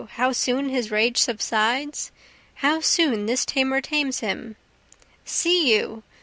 how soon his rage subsides how soon this tamer tames him; See you!